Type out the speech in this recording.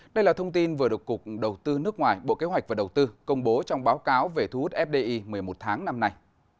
đây là thông tin vừa được cục đầu tư nước ngoài bộ kế hoạch và đầu tư công bố trong báo cáo về thu hút fdi một mươi một tháng năm nay